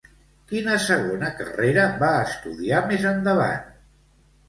Quina segona carrera va estudiar més endavant?